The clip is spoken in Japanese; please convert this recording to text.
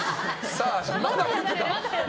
まだ言ってた。